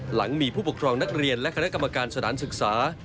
หลังมีผู้ปกครองนักเรียนและคณะกรรมการสถานศึกษา